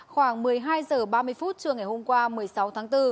khoảng một mươi hai h ba mươi phút trưa ngày hôm qua một mươi sáu tháng bốn